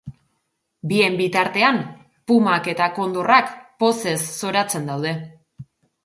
Bien bitartean, pumak eta kondorrak pozez zoratzen daude.